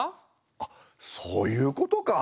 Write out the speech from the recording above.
あっそういうことか！